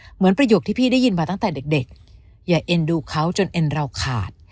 ประโยคที่พี่ได้ยินมาตั้งแต่เด็กอย่าเอ็นดูเขาจนเอ็นเราขาด